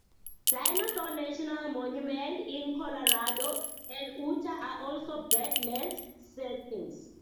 Dinosaur National Monument in Colorado and Utah are also badlands settings.